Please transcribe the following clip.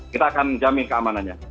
kita akan jamin keamanannya